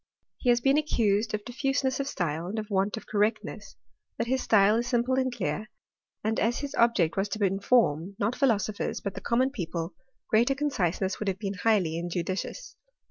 He has been accused of difiuseness of style, and of want of correctness; but his style is simple and clear ; and as his object was to inform, not philosophers, but the common people, greater con ciseness would have been highly injudicious.